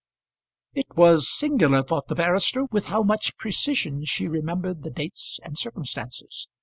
It was singular, thought the barrister, with how much precision she remembered the dates and circumstances.